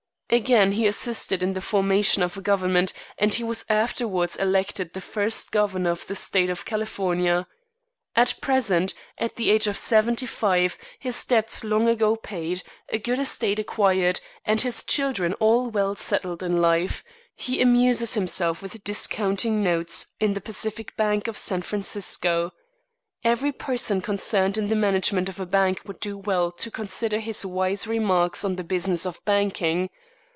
Again he assisted in the formation of a government, and he was afterwards elected the first governor of the State of California. At present, at the age of seventy five, his debts long ago paid, a good estate acquired, and his children all well settled in life, he amuses himself with discounting notes in the Pacific Bank of San Francisco. Every person concerned in the management of a bank would do well to consider his wise remarks on the business of banking.